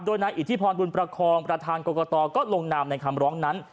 โดยนายอิทธิพรบุญประคองประธานกรกตก็ลงนามในคำร้องนั้น